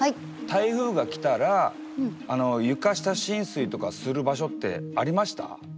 台風が来たら床下浸水とかする場所ってありました？